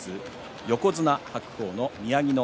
横綱白鵬の宮城野